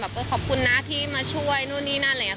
ก็ขอบคุณนะที่มาช่วยนู่นนี่นั่นอะไรอย่างนี้